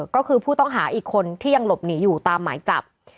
ก็คือผู้ต้องหาอีกคนที่ยังหลบหนีอยู่ตามหมายจับ